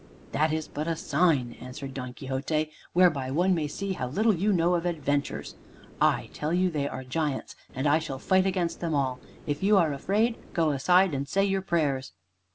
"That is but a sign," answered Don Quixote, "whereby one may see how little you know of adventures. I tell you they are giants: and I shall fight against them all. If you are afraid, go aside and say your prayers."